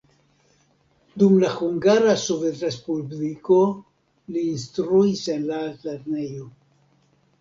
Dum la Hungara Sovetrespubliko li instruis en la altlernejo.